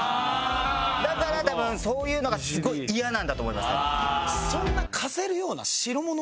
だから多分そういうのがすごい嫌なんだと思います。